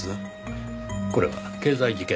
これは経済事件です。